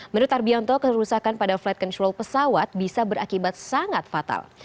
menurut tarbianto kerusakan pada flight control pesawat bisa berakibat sangat fatal